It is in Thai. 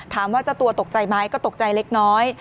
เจ้าตัวตกใจไหมก็ตกใจเล็กน้อย